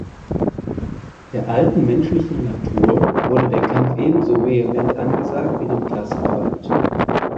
Der alten menschlichen Natur wurde der Kampf ebenso vehement angesagt wie dem Klassenfeind.